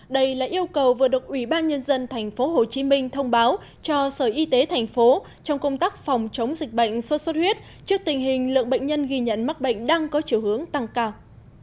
đây là yêu cầu vừa được ủy ban nhân dân tp hcm thông báo cho sở y tế thành phố trong công tác phòng chống dịch bệnh sốt xuất huyết trước tình hình lượng bệnh nhân ghi nhận mắc bệnh đang có chiều hướng tăng cao